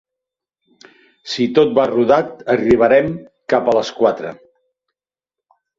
Si tot va rodat, arribarem cap a les quatre.